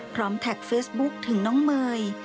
พร้อมแท็กเฟซบุ๊กถึงน้องเมย์